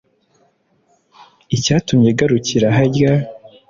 icyatumye igarukira harya,